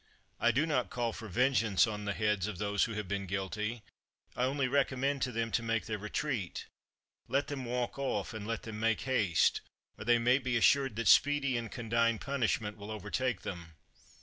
I do not call for vengeance on the heads of those who have been guilty; I only recom mend to them to make their retreat. Let them walk off; and let them make haste, or they may be assured that speedy and condign punishment will overtake them.